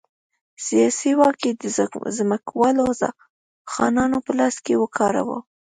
سیاسي واک یې د ځمکوالو خانانو په لاس کې ورکاوه.